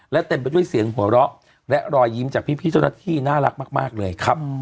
และเต็มไปด้วยเสียงหัวเราะและรอยยิ้มจากพี่เจ้าหน้าที่น่ารักมากเลยครับ